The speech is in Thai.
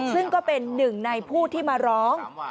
ซึ่งก็เป็นหนึ่งในผู้ที่มาร้อง